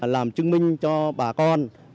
làm chứng minh cho bà con